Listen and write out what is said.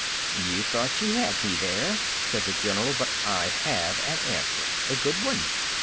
"You thought you had me there," said the general, "but I have an answer. A good one.